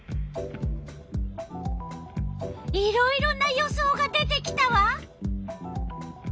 いろいろな予想が出てきたわ。